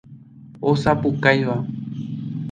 Osapukáiva.